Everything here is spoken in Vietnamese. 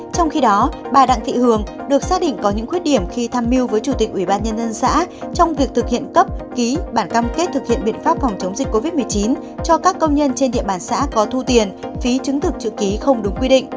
trong khi đó bà đặng thị hường được xác định có những khuyết điểm khi tham mưu với chủ tịch ủy ban nhân dân xã trong việc thực hiện cấp ký bản cam kết thực hiện biện pháp phòng chống dịch covid một mươi chín cho các công nhân trên địa bàn xã có thu tiền phí chứng thực chữ ký không đúng quy định